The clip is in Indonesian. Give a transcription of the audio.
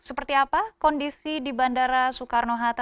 seperti apa kondisi di bandara soekarno hatta